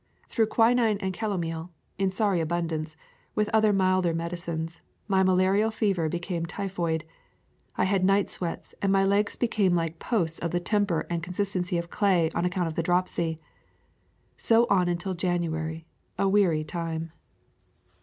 Through quinine and calomel — in sorry abun dance —with other milder medicines, my ma larial fever became typhoid. I had night sweats, and my legs became like posts of the temper and consistency of clay on account of dropsy. So on until January, a weary time.